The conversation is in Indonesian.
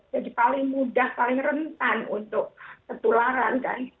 jadi paling mudah paling rentan untuk tertularan kan